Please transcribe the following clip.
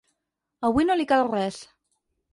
Avui no li cal res.